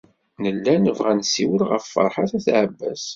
Nella nebɣa ad nessiwel ɣef Ferḥat n At Ɛebbas.